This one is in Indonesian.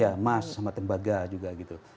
iya emas sama tembaga juga gitu